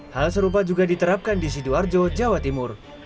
hal serupa juga diterapkan di sidoarjo jawa timur